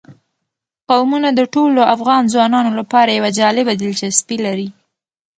قومونه د ټولو افغان ځوانانو لپاره یوه جالبه دلچسپي لري.